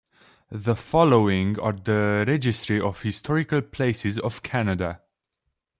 The following are on the Registry of Historical Places of Canada.